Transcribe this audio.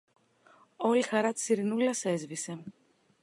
Όλη η χαρά της Ειρηνούλας έσβησε.